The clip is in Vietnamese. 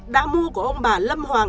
đã mua của ông bà lâm hoàng